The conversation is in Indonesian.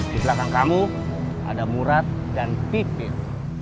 di belakang kamu ada murad dan pipit